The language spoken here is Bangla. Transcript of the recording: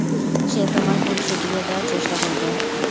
সে তোমার ভুল শুধরিয়ে দেওয়ার চেষ্টা করবে।